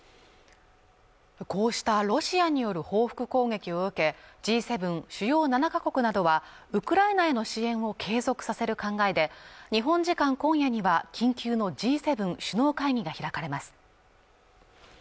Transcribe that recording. こうしたロシアによる報復攻撃を受けＧ７＝主要７か国などはウクライナへの支援を継続させる考えで日本時間今夜には緊急のＧ７首脳会議が開かれます